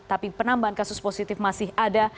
tapi penambahan kasus positif masih ada